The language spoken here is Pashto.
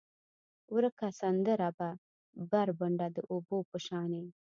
ورکه سندره به، بربنډه د اوبو په شانې،